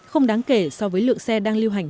không đáng kể so với lượng xe đang lưu hành